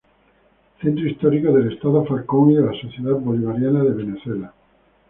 Centro Histórico del Estado Falcón y de la Sociedad Bolivariana de Venezuela.